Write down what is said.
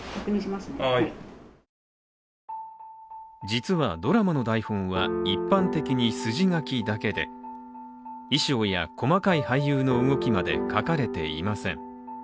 実はドラマの台本は、一般的に筋書きだけで衣装や、細かい俳優の動きまで書かれていません。